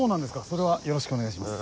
それはよろしくお願いします。